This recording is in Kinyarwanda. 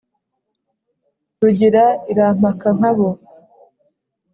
rugira irampaka nka bo